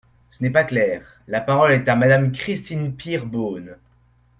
Ce n’est pas clair ! La parole est à Madame Christine Pires Beaune.